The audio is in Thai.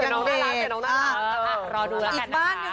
เป็นน้องน่ารักเป็นน้องน่ารักอ่ารอดูแล้วกันนะคะอีกบ้านหนึ่ง